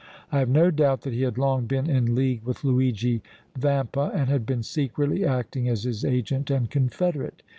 I have no doubt that he had long been in league with Luigi Vampa and had been secretly acting as his agent and confederate.